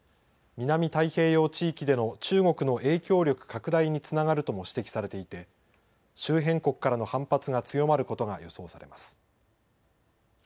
南太平洋地域での中国の影響力拡大につながるとも指摘されていて周辺国からの反発が強まることが予想されます。